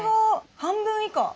半分以下。